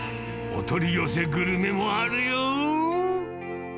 お取り寄せグルメもあるよ。